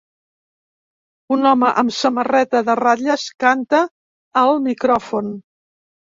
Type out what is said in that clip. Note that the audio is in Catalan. Un home amb samarreta de ratlles canta al micròfon.